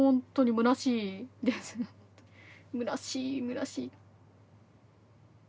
むなしいむなしい。